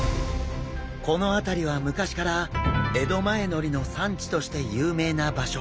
この辺りは昔から江戸前のりの産地として有名な場所。